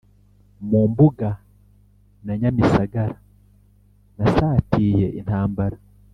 mu mbuga na nyamisagara nasatiye intambara.